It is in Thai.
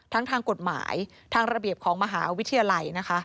ทั้งทางกฎหมายทางระเบียบของมหาวิทยาลัย